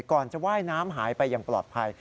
ก่อนจะว่ายน้ำหายไปอย่างปลอดภัย